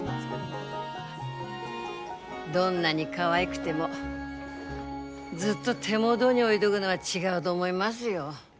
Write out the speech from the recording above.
どんなにかわいくてもずっと手元に置いどぐのは違うど思いますよ。